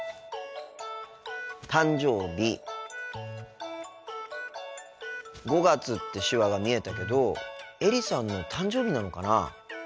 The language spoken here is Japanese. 「誕生日」「５月」って手話が見えたけどエリさんの誕生日なのかな？